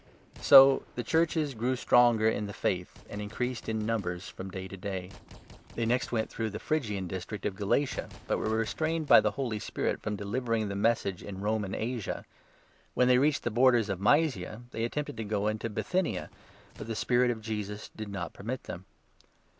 So the Churches grew stronger in the Faith, and increased 5 in numbers from day to day. THE ACTS, 16. 245 They next went through the Phrygian district 6 determines °f Galatia, but were restrained by the Holy Spirit to cross to from delivering the Message in Roman Asia. Macedonia, when they reached the borders of Mysia, they 7 attempted to go into Bithynia, but the Spirit of Jesus did not permit them.